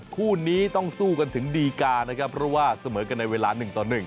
คู่นี้ต้องสู้กันถึงดีการนะครับเพราะว่าเสมอกันในเวลา๑ต่อ๑